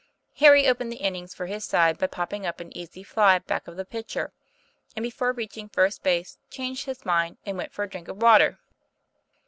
Harry opened the innings for his side by popping up an easy fly back of the pitcher, and before reach ing first base, changed his mind and went for a drink of water.